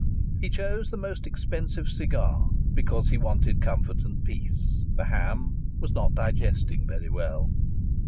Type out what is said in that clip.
He chose the most expensive cigar because he wanted comfort and peace. The ham was not digesting very well.